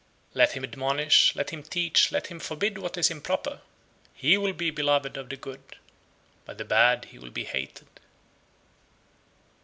77. Let him admonish, let him teach, let him forbid what is improper! he will be beloved of the good, by the bad he will be hated.